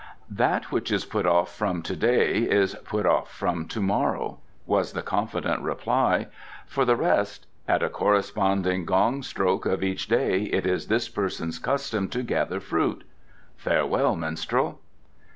"That which is put off from to day is put off from to morrow," was the confident reply. "For the rest at a corresponding gong stroke of each day it is this person's custom to gather fruit. Farewell, minstrel."